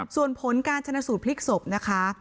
ส่วนผลการชนะสูตรพลิกศพนะคะ